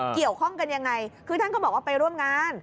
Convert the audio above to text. เกี่ยวข้องกันยังไงคือท่านก็บอกว่าไปร่วมงาน